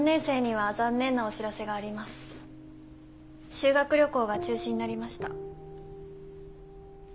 修学旅行が中止になりました。